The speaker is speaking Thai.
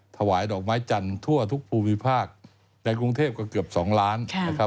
ถวายดอกไม้จันทร์ทั่วทุกภูมิภาคในกรุงเทพก็เกือบ๒ล้านนะครับ